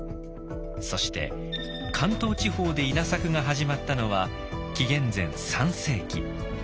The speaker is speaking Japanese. そして関東地方で稲作が始まったのは紀元前３世紀。